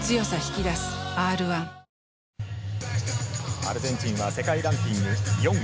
アルゼンチンは世界ランキング４位。